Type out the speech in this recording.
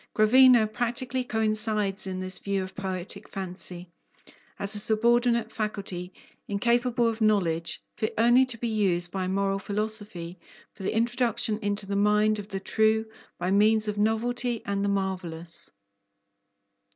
Gravina practically coincides in this view of poetic fancy, as a subordinate faculty, incapable of knowledge, fit only to be used by moral philosophy for the introduction into the mind of the true, by means of novelty and the marvellous.